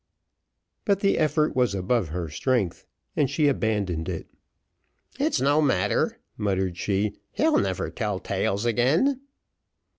But the effort was above her strength, and she abandoned it. "It's no matter," muttered she; "he'll never tell tales again."